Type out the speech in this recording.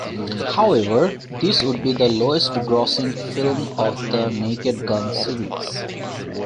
However, this would be the lowest-grossing film of the "Naked Gun" series.